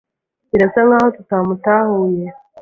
Birasa nkaho tutamutahuye.